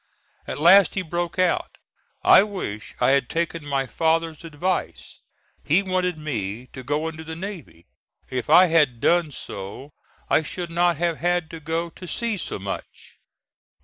At last he broke out, "I wish I had taken my father's advice; he wanted me to go into the navy; if I had done so, I should not have had to go to sea so much."